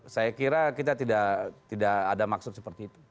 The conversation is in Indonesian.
saya kira kita tidak ada maksud seperti itu